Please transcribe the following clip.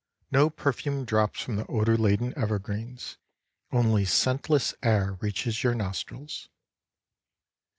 No perfume drops from the odor laden evergreens, only scentless air reaches your nostrils.